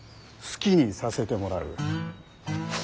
好きにさせてもらう。